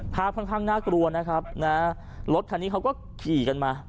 ภาพค่อนข้างน่ากลัวนะครับนะรถคันนี้เขาก็ขี่กันมา